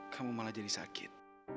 kamu malah jadi sakit